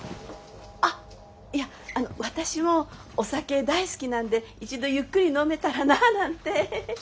あっいやあの私もお酒大好きなんで一度ゆっくり飲めたらなぁなんて。